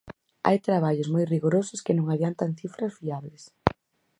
Hai traballos moi rigorosos que non adiantan cifras fiables.